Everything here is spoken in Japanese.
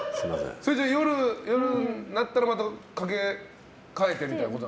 それじゃあ夜になったらかけかえてみたいな？